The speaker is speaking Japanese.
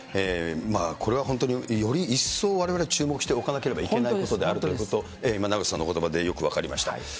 これは本当により一層われわれ注目しておかなければいけないことであるということ、今、名越さんのおことばでよく分かりました。